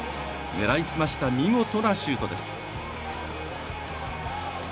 狙いすました見事なシュートです。